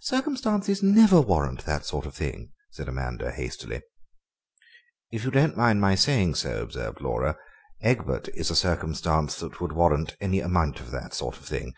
"Circumstances never warrant that sort of thing," said Amanda hastily. "If you don't mind my saying so," observed Laura, "Egbert is a circumstance that would warrant any amount of that sort of thing.